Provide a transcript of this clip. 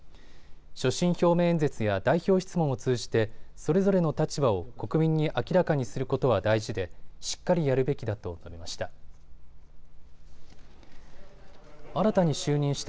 所信表明演説や代表質問を通じてそれぞれの立場を国民に明らかにすることは大事でしっかりやるべきだと述べました。